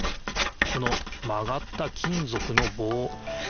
このまがった金ぞくのぼう。